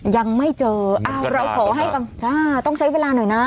ยังไม่เจออ้าวเราขอให้ต้องใช้เวลาหน่อยนะ